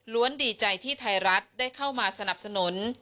ดีใจที่ไทยรัฐได้เข้ามาสนับสนุน